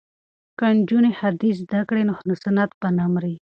که نجونې حدیث زده کړي نو سنت به نه مري.